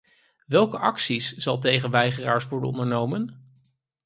Welke acties zal tegen weigeraars worden ondernomen?